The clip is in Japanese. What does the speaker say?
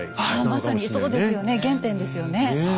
まさにそうですよね原点ですよね。